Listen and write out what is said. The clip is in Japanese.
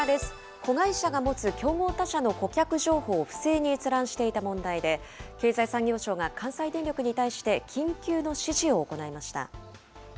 子会社が持つ競合他社の顧客情報を不正に閲覧していた問題で、経済産業省が関西電力に対して、緊急の指示を行いました。